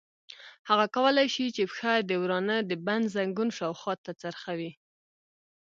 هغه کولای شي چې پښه د ورانه د بند زنګون شاوخوا ته څرخوي.